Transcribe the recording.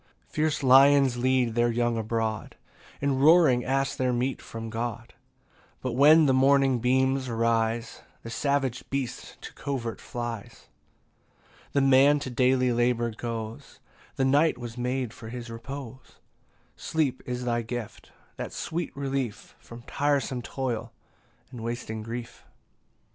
16 Fierce lions lead their young abroad, And roaring ask their meat from God; But when the morning beams arise, The savage beast to covert flies. 17 Then man to daily labour goes; The night was made for his repose: Sleep is thy gift; that sweet relief From tiresome toil and wasting grief.